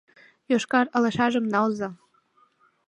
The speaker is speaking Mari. — Йошкар алашажым налза!